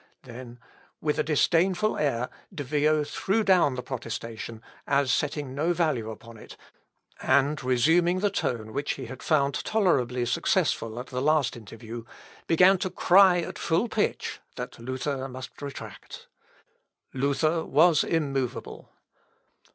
Then, with a disdainful air, De Vio threw down the protestation, as setting no value upon it, and resuming the tone which he had found tolerably successful at the last interview, began to cry at full pitch that Luther must retract. Luther was immovable.